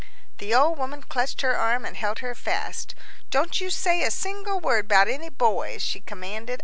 The old woman clutched her arm and held her fast. "Don't you say a single word about any boys," she commanded.